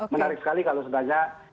menarik sekali kalau sebenarnya